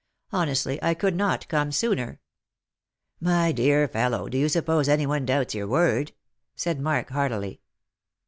Honestly, I could not come sooner." " My dear fellow, do you suppose any one doubts your word P " said Mark heartily.